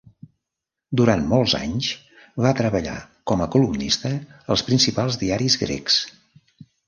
Durant molts anys va treballar com a columnista als principals diaris grecs.